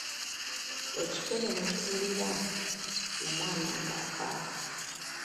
Ekikere ne kiwulira omwana ng'akaaba.